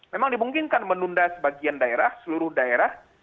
memang dimungkinkan menunda sebagian daerah seluruh daerah